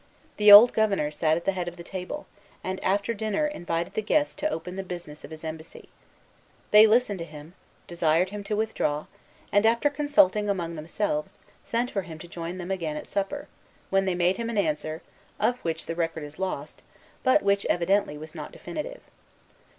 The old Governor sat at the head of the table, and after dinner invited the guest to open the business of his embassy. They listened to him, desired him to withdraw, and, after consulting among themselves, sent for him to join them again at supper, when they made him an answer, of which the record is lost, but which evidently was not definitive.